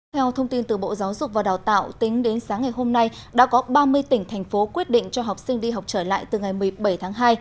theo thông tin từ bộ giáo dục và đào tạo tính đến sáng ngày hôm nay đã có ba mươi tỉnh thành phố quyết định cho học sinh đi học trở lại từ ngày một mươi bảy tháng hai